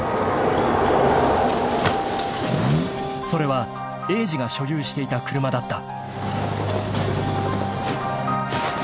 ・［それは栄治が所有していた車だった］